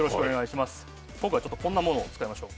今回はこんなものを使いましょう。